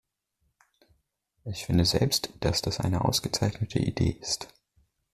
Ich finde selbst, dass das eine ausgezeichnete Idee ist.